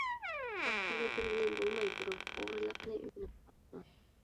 باققىلى بىر يىل بولماي تۇرۇپ، ئوغرىلىقنى ئۆگىنىپ قاپتۇ.